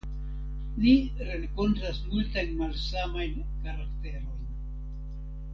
Li renkontas multajn malsamajn karakterojn.